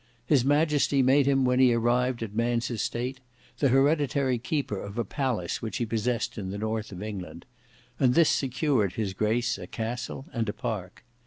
His majesty made him when he arrived at man's estate the hereditary keeper of a palace which he possessed in the north of England; and this secured his grace a castle and a park.